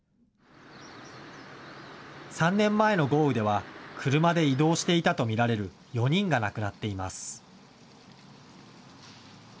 ３年前の豪雨では車で移動していたと見られる４人が亡くなっています。